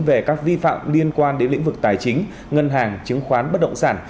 về các vi phạm liên quan đến lĩnh vực tài chính ngân hàng chứng khoán bất động sản